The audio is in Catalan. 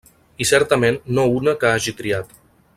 I certament no una que un hagi triat.